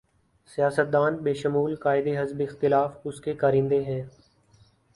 سیاست دان بشمول قائد حزب اختلاف اس کے کارندے ہیں۔